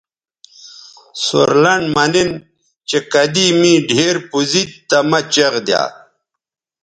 سور لنڈ مہ نِن چہء کدی می ڈِھیر پوزید تی مہ چیغ دیا